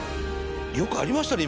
よくありましたね